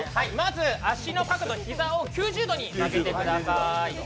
足の膝を９０度に曲げてください。